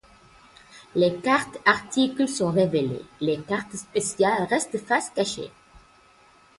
Les cartes articles sont révélées, les cartes spéciales restent face cachée.